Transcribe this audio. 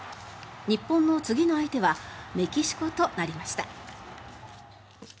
日本の次の相手はメキシコとなりました。